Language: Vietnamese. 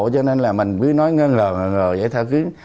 cho nên là mình cứ nói ngờ ngờ